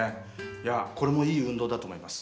いやこれもいい運動だと思います。